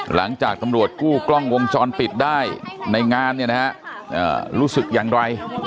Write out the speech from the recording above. หลังจากตำรวจกู้กล้องวงจรปิดได้ในงานเนี่ยนะฮะรู้สึกอย่างไร